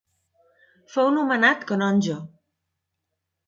Fou nomenat canonge.